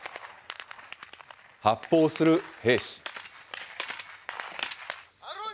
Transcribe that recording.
発砲する兵士。